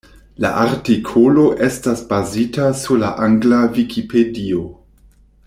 La artikolo estas bazita sur la angla Vikipedio.